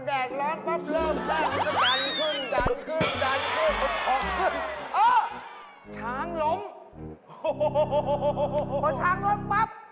ตอนช้างล้มปั๊บ